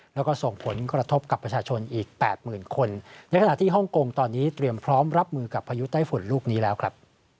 แล้วก็ส่งผลกระทบกับประชาชนอีกแปดหมื่นคนในขณะที่ฮ่องกงตอนนี้เตรียมพร้อมรับมือกับพายุใต้ฝุ่นลูกนี้แล้วครับ